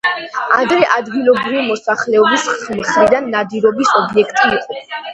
ადრე ადგილობრივი მოსახლეობის მხრიდან ნადირობის ობიექტი იყო.